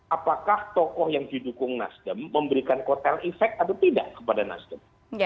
apakah tokoh yang didukung nasdem memberikan kotel efek atau tidak kepada nasdem